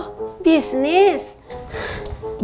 tunggu di situ deh